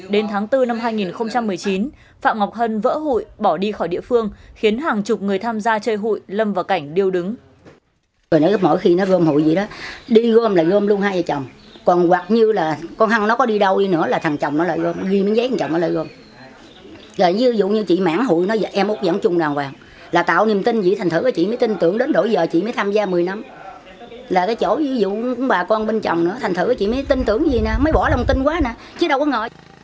đến tháng bốn năm hai nghìn một mươi chín phạm ngọc hân vỡ hụi bỏ đi khỏi địa phương khiến hàng chục người tham gia chơi hụi lâm vào cảnh điêu đứng